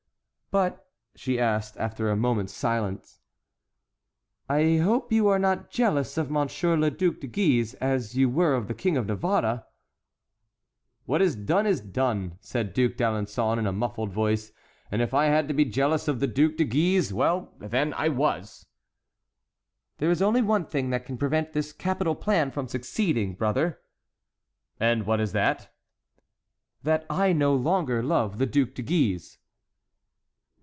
"But," she asked after a moment's silence, "I hope you are not jealous of Monsieur le Duc de Guise as you were of the King of Navarre!" "What is done is done," said the Duc d'Alençon, in a muffled voice, "and if I had to be jealous of the Duc de Guise, well, then, I was!" "There is only one thing that can prevent this capital plan from succeeding, brother." "And what is that?" "That I no longer love the Duc de Guise."